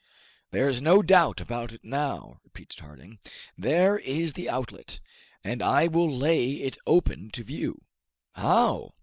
"There is no doubt about it now," repeated Harding. "There is the outlet, and I will lay it open to view!" "How?"